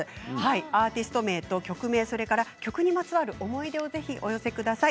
アーティスト名と曲名、それから曲にまつわる思い出をぜひお寄せください。